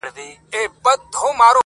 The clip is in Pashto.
غلیمان د پایکوبونو به په ګور وي٫